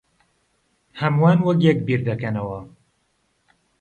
ھەمووان وەک یەک بیردەکەنەوە.